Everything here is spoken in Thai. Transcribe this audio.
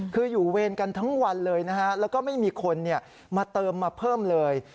คืออยู่เวรกันทั้งวันเลยนะฮะแล้วก็ไม่มีคนมาเติมมาเพิ่มเลย